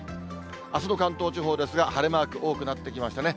あすの関東地方ですが、晴れマーク多くなってきましたね。